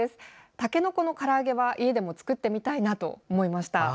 たけのこのから揚げは、家でも作ってみたいなと思いました。